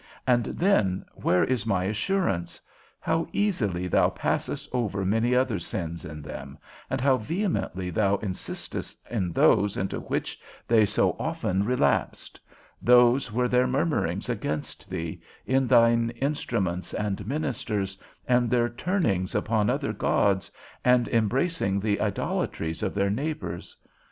And then, where is my assurance? How easily thou passedst over many other sins in them, and how vehemently thou insistedst in those into which they so often relapsed; those were their murmurings against thee, in thine instruments and ministers, and their turnings upon other gods, and embracing the idolatries of their neighbours.